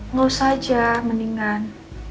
nggak usah aja mendingan